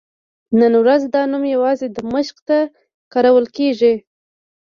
نن ورځ دا نوم یوازې دمشق ته کارول کېږي.